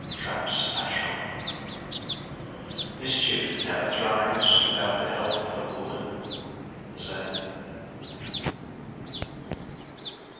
Trap's Abram. " Mischief never thrives Without the help of Woman." The Same.